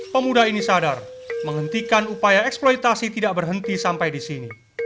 pemuda ini sadar menghentikan upaya eksploitasi tidak berhenti sampai di sini